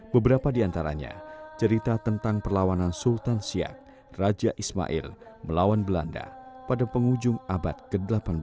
beberapa di antaranya cerita tentang perlawanan sultan siak raja ismail melawan belanda pada penghujung abad ke delapan belas